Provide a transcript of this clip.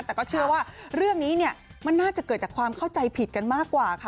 แต่ก็เชื่อว่าเรื่องนี้มันน่าจะเกิดจากความเข้าใจผิดกันมากกว่าค่ะ